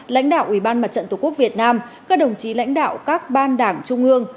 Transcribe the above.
lãnh đạo ủy ban mặt trận tổ quốc việt nam các đồng chí lãnh đạo các ban đảng trung ương